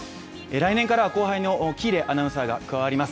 来年からは後輩の喜入アナウンサーが加わります。